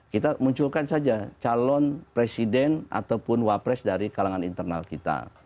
kita munculkan saja calon presiden ataupun wapres dari kalangan internal kita